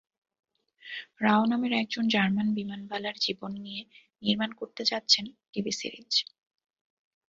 রাও নামের একজন জার্মান-বিমানবালার জীবন নিয়ে নির্মাণ করতে যাচ্ছেন টিভি সিরিজ।